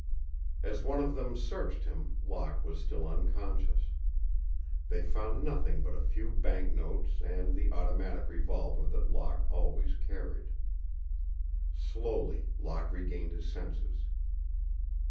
As one of them searched him Locke was still unconscious. They found nothing but a few bank notes and the automatic revolver that Locke always carried. Slowly Locke regained his senses.